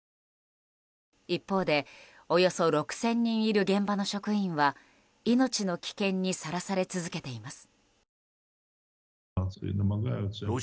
一方で、およそ６０００人いる現場の職員は命の危険にさらされ続けています。